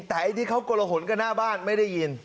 แต่ไอ้ที่เขากลหนกันหน้าบ้านไม่ได้ยิน